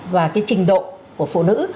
và cái trình độ của phụ nữ